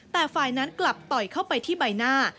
แต่ฝ่ายนั้นกลับต่อยเข้าไปที่ใบหน้า